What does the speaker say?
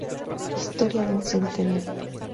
Historia de un Centenario.